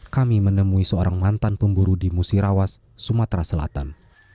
kami menemui seorang mantan pemburu di musirawas sumatera selatan